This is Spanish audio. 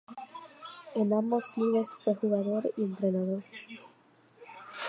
En ambos clubes fue jugador y entrenador.